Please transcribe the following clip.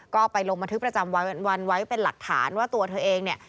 ก็ไปลงบันทึกประจำวันไว้เป็นหลักฐานว่าตัวเธอเองเนี่ย